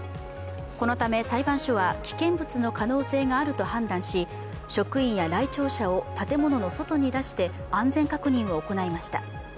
このため裁判所は危険物の可能性があると判断し職員や来庁者を建物の外に出して安全確認を行いました。